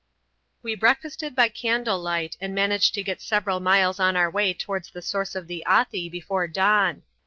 We breakfasted by candle light and managed to get several miles on our way towards the source of the Athi before dawn.